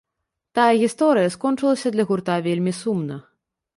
Тая гісторыя скончылася для гурта вельмі сумна.